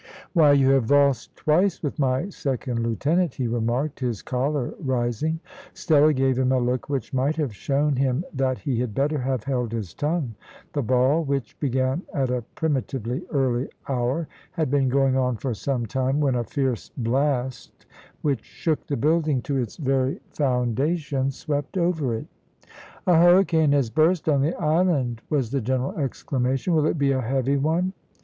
"Why, you have valsed twice with my second lieutenant," he remarked, his choler rising. Stella gave him a look which might have shown him that he had better have held his tongue. The ball, which began at a primitively early hour, had been going on for some time, when a fierce blast which shook the building to its very foundations swept over it. "A hurricane has burst on the island," was the general exclamation. "Will it be a heavy one?"